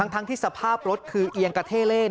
ทั้งที่สภาพรถคือเอียงกระเท่เล่น